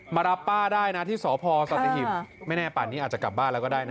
มารับป้าได้นะที่สพสัตหิบไม่แน่ป่านนี้อาจจะกลับบ้านแล้วก็ได้นะ